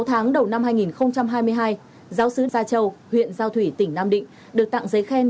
sáu tháng đầu năm hai nghìn hai mươi hai giáo sứ gia châu huyện giao thủy tỉnh nam định được tặng giấy khen